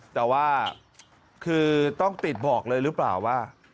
แต่ว่าคือต้องติดบอกเลยหรือเปล่าว่า